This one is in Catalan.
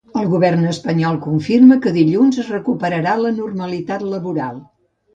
El govern espanyol confirma que dilluns es recuperarà la ‘normalitat laboral’